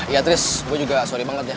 iya tris gue juga sorry banget ya